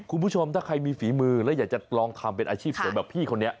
คุณผู้ชมถ้าใครมีฝีมือแล้วอยากจะลองทำเป็นอาชีพเสริมแบบพี่คนนี้